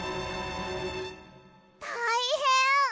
たいへん！